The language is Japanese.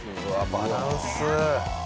バランス。